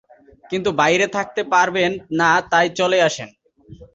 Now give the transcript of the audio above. কিন্তু বাইরে থাকতে পারবেন না তাই চলে আসেন।